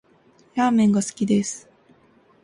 ラーメンが好きです